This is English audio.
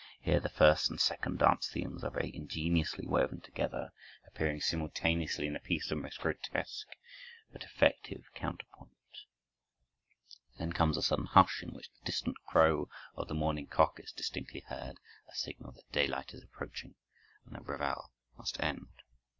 Here the first and second dance themes are very ingeniously woven together, appearing simultaneously in a piece of most grotesque but effective counterpoint. Then comes a sudden hush, in which the distant crow of the morning cock is distinctly heard, a signal that daylight is approaching and the revel must end.